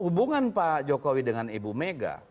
hubungan pak jokowi dengan ibu mega